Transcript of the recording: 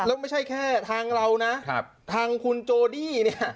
แล้วไม่ใช่แค่ทางเรานะทางคุณโจดี้เนี่ย